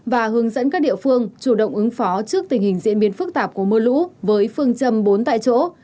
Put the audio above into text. và hướng dẫn các địa phương chủ động ứng phó trước tình hình diễn biến phức tạp của mưa lũ với phương châm bốn tại chỗ